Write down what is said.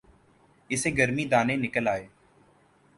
اسے گرمی دانے نکل آئے